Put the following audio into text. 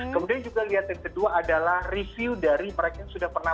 kemudian juga lihat yang kedua adalah review dari mereka yang sudah pernah